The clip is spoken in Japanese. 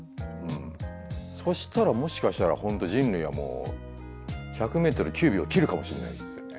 そしたらもしかしたら本当人類はもう１００メートル９秒切るかもしれないですよね。